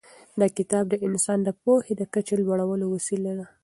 دا کتاب د انسان د پوهې د کچې د لوړولو وسیله ده.